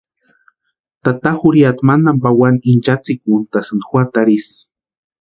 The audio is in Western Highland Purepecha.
Tata jurhiata mantani pawani inchatsʼïkuntʼasïnti juatarhu isï.